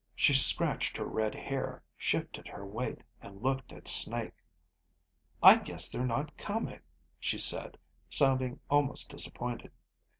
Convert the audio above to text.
She scratched her red hair, shifted her weight, and looked at Snake. "I guess they're not coming," she said, sounding almost disappointed.